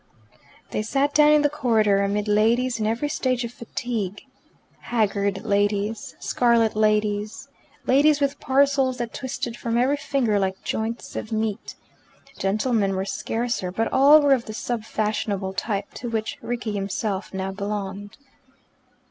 They sat down in the corridor amid ladies in every stage of fatigue haggard ladies, scarlet ladies, ladies with parcels that twisted from every finger like joints of meat. Gentlemen were scarcer, but all were of the sub fashionable type, to which Rickie himself now belonged.